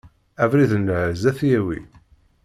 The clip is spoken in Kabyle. Abrid n lɛezz ad t-yawi.